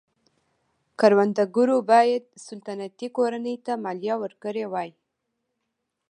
کروندګرو باید سلطنتي کورنۍ ته مالیه ورکړې وای.